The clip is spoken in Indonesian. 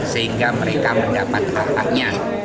sehingga mereka mendapat hak haknya